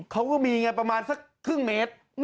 เขาก็มีไงประมาณสักครึ่งเมตร